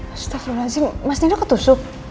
astaghfirullahaladzim mas nino ketusuk